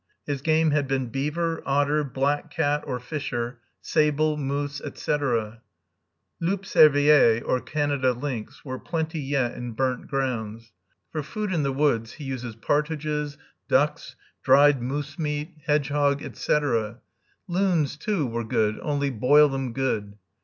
His game had been beaver, otter, black cat (or fisher), sable, moose, etc. Loup cervier (or Canada lynx) were plenty yet in burnt grounds. For food in the woods, he uses partridges, ducks, dried moose meat, hedgehog, etc. Loons, too, were good, only "bile 'em good."